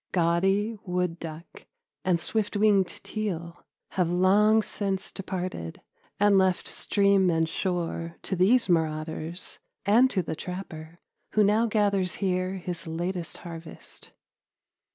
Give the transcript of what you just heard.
Gaudy wood duck and swift winged teal have long since departed and left stream and shore to these marauders and to the trapper, who now gathers here his latest harvest.